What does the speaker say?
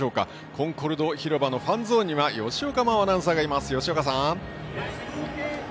コンコルド広場のファンゾーンに吉岡真央アナウンサーがいます。